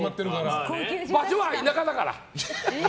場所は田舎だから！